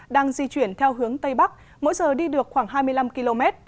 đang di chuyển theo hướng tây bắc mỗi giờ đi được khoảng hai mươi năm km